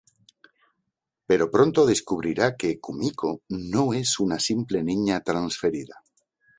Pero pronto descubrirá que Kumiko no es una simple niña transferida.